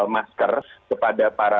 masker kepada para